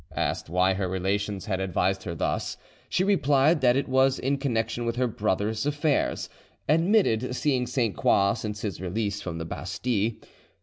Asked why her relations had advised her thus, she replied that it was in connection with her brothers' affairs; admitted seeing Sainte Croix since his release from the Bastille.